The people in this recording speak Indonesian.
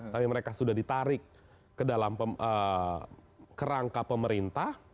tapi mereka sudah ditarik ke dalam kerangka pemerintah